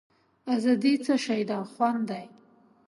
آزادي څه شی ده خوند دی.